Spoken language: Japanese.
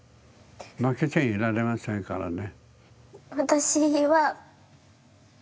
負けちゃいられませんからね。